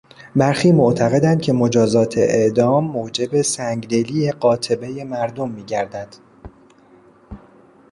برخی معتقدند که مجازات اعدام موجب سنگدلی قاطبهی مردم میگردد.